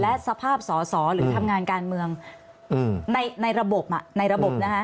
และสภาพสอสอหรือทำงานการเมืองในระบบในระบบนะคะ